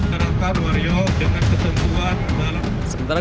terangkan wario dengan ketentuan